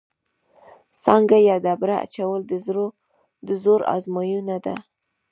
سانګه یا ډبره اچول د زور ازموینه ده.